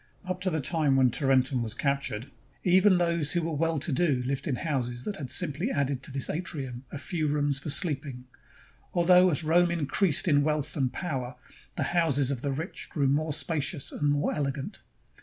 Up to the time when Taren tum was captured, even those who were well to do Hved in houses that had simply added to this atrium a few rooms for sleeping, although as Rome increased in wealth and power, the houses of the rich grew more spacious and more elegant.